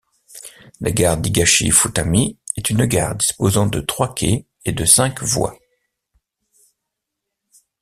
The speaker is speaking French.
La gare d'Higashi-Futami est une gare disposant de trois quais et de cinq voies.